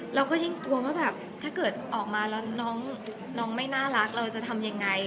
เราก็ยิ่งกลัวว่าแบบถ้าเกิดออกมาแล้วน้องไม่น่ารักเราจะทำยังไง